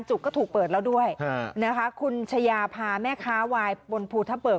ก็ถูกเปิดแล้วด้วยนะคะคุณชายาพาแม่ค้าวายบนภูทะเบิก